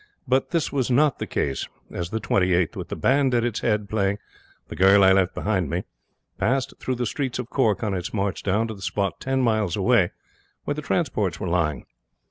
But this was not the case as the Twenty eighth with the band at its head playing "The girl I left behind me," passed through the streets of Cork on its march down to the spot ten miles away where the transports were lying.